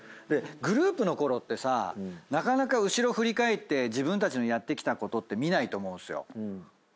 グループのころってさなかなか後ろ振り返って自分たちのやってきたことって見ないと思うんすよ。